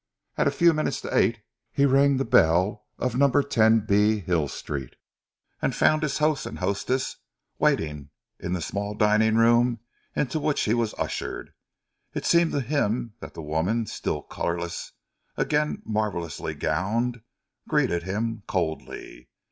At a few minutes to eight he rang the bell of number 10 b, Hill Street, and found his host and hostess awaiting him in the small drawing room into which he was ushered. It seemed to him that the woman, still colourless, again marvellously gowned, greeted him coldly.